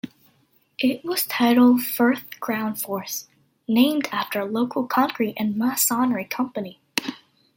It was titled Firth Ground Force, named after a local concrete and masonry company.